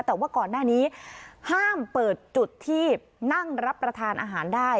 แต่ว่าก่อนหน้านี้ห้ามเปิดจุดที่นั่งรับประทานอาหารได้